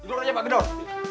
tunggu aja pak gendor